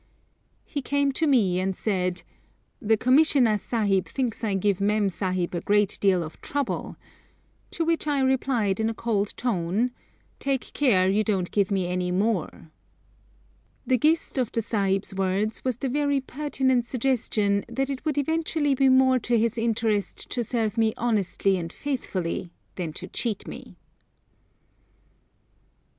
He came to me and said, 'The Commissioner Sahib thinks I give Mem Sahib a great deal of trouble;' to which I replied in a cold tone, 'Take care you don't give me any more.' The gist of the Sahib's words was the very pertinent suggestion that it would eventually be more to his interest to serve me honestly and faithfully than to cheat me.